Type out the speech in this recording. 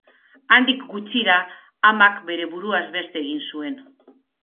Handik gutxira, amak bere buruaz beste egin zuen.